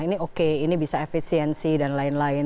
ini oke ini bisa efisiensi dan lain lain